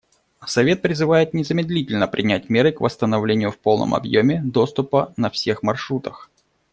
Совет призывает незамедлительно принять меры к восстановлению в полном объеме доступа на всех маршрутах.